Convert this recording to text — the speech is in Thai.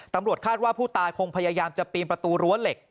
ตำรวจคาดว่าผู้ตายคงพยายามจะปีนประตูรั้วเหล็ก